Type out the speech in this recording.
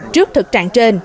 trước thực trạng trên